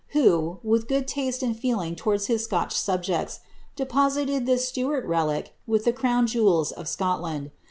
who, with good taste and feeling towards his Scottish subjects, deposited this Stuart relic with the crown jewels of Scotland.